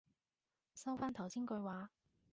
收返頭先句話